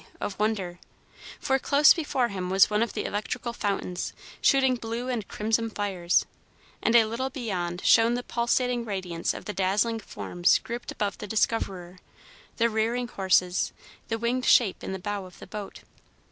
of wonder, for close before him was one of the electrical fountains, shooting blue and crimson fires, and a little beyond shone the pulsating radiance of the dazzling forms grouped above the Discoverer, the rearing horses, the winged shape in the bow of the boat.